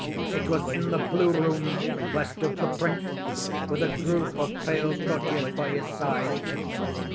It was in the blue room where stood the prince, with a group of pale courtiers by his side.